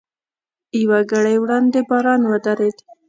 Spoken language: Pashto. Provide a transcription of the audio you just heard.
یوه ګړۍ وړاندې باران ودرېد.